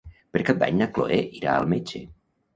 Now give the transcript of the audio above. Per Cap d'Any na Chloé irà al metge.